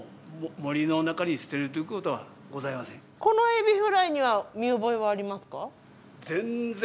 このエビフライには見覚えはありますか？